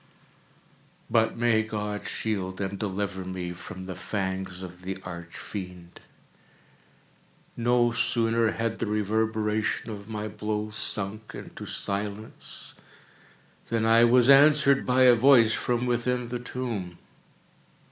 But may God shield and deliver me from the fangs of the Arch Fiend! No sooner had the reverberation of my blows sunk into silence, than I was answered by a voice from within the tomb!